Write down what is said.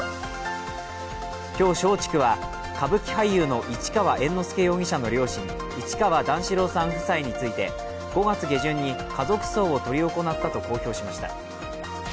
今日、松竹は歌舞伎俳優の市川猿之助容疑者の両親、市川段四郎さん夫妻について５月下旬に家族葬を執り行ったと公表しました。